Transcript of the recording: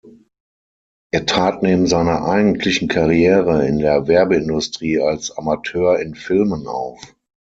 Er trat neben seiner eigentlichen Karriere in der Werbeindustrie als Amateur in Filmen auf.